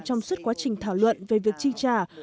trong suốt quá trình thảo luận về việc chi trả